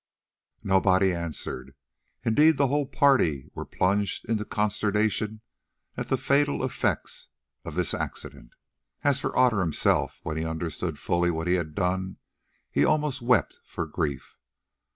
Nobody answered. Indeed, the whole party were plunged into consternation at the fatal effects of this accident. As for Otter himself, when he understood fully what he had done, he almost wept for grief.